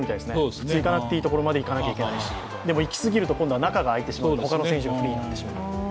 普通行かなくていいところまで行かないといけないし、でも行き過ぎると、今度中があいてしまって他の選手がフリーになってしまう。